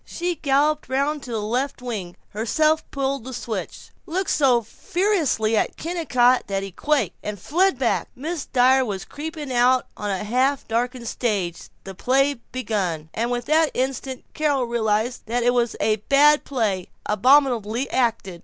She galloped round to the left wing, herself pulled the switch, looked so ferociously at Kennicott that he quaked, and fled back. Mrs. Dyer was creeping out on the half darkened stage. The play was begun. And with that instant Carol realized that it was a bad play abominably acted.